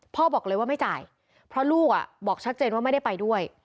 พ่อบอกเลยว่าไม่จ่ายเพราะลูกบอกชัดเจนว่าไม่ได้ไปด้วย